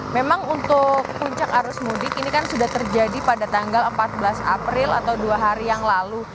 memang untuk puncak arus mudik ini kan sudah terjadi pada tanggal empat belas april atau dua hari yang lalu